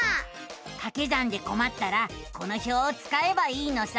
かけ算でこまったらこの表をつかえばいいのさ。